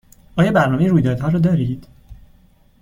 آیا برنامه رویدادها را دارید؟